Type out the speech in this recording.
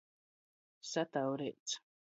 Sataureits.